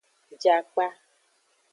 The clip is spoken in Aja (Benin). Je akpa.